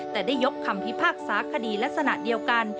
แต่ได้ยกคำพิพากษาคดีลักษณะเดียวกัน